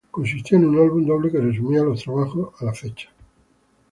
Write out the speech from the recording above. Consistía en un álbum doble, que resumía los trabajos a la fecha.